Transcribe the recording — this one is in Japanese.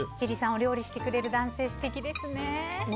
お料理してくれる男性素敵ですね。